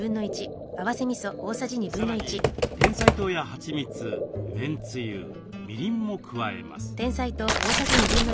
さらにてんさい糖やはちみつめんつゆみりんも加えます。